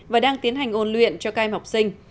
và đang tiến hành ôn luyện cho cai học sinh